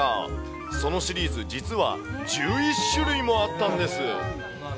そのシリーズ、実は１１種類もあったんです。